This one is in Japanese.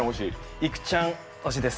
いくちゃん推しです。